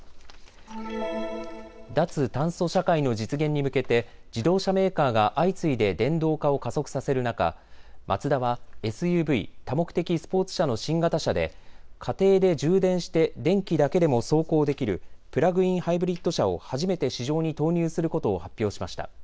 脱炭素社会の実現に向けて自動車メーカーが相次いで電動化を加速させる中、マツダはＳＵＶ・多目的スポーツ車の新型車で家庭で充電して電気だけでも走行できるプラグインハイブリッド車を初めて市場に投入することを発表しました。